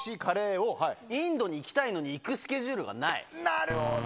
なるほど。